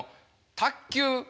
卓球？